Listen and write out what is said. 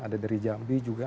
ada dari jambi juga